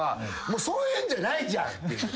もうそういうんじゃないじゃんっていう。